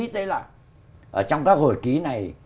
đấy là ở trong các hồi ký này